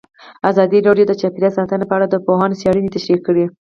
ازادي راډیو د چاپیریال ساتنه په اړه د پوهانو څېړنې تشریح کړې.